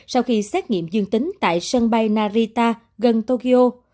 sau khi xét nghiệm dương tính tại sân bay narita gần tokyo